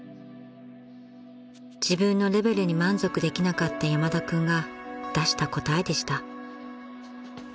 ［自分のレベルに満足できなかった山田君が出した答えでした］